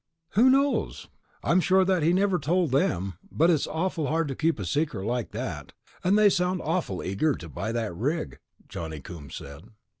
"Who knows? I'm sure that he never told them, but it's awful hard to keep a secret like that, and they sound awful eager to buy that rig," Johnny Coombs said.